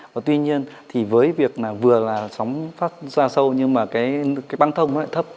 và tuy nhiên thì với việc là vừa là sóng phát ra sâu nhưng mà cái băng thông lại thấp